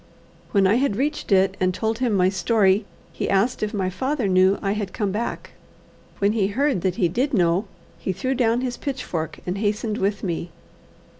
When I had reached it and told him my story, he asked if my father knew I had come back. When he heard that he did know, he threw down his pitchfork, and hastened with me.